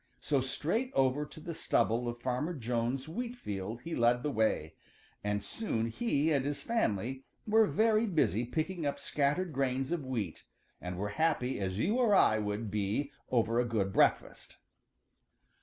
So straight over to the stubble of Farmer Jones' wheat field he led the way, and soon he and his family were very busy picking up scattered grains of wheat and were happy as you or I would be over a good breakfast.